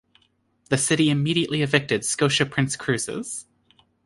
The City immediately evicted Scotia Prince Cruises.